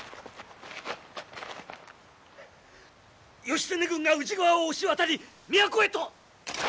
義経軍が宇治川を押し渡り都へと！